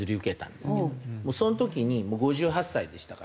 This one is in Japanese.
もうその時に５８歳でしたから。